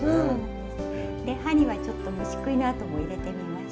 で葉にはちょっと虫食いの跡も入れてみました。